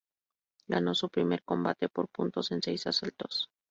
Ganó su primer combate por puntos en seis asaltos.